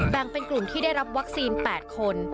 แบ่งเป็นกลุ่มที่ได้รับวัคซีน๘คน